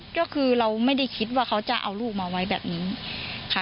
ก็คือเราไม่ได้คิดว่าเขาจะเอาลูกมาไว้แบบนี้ค่ะ